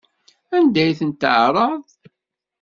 Anda ay tent-tɛerraḍ?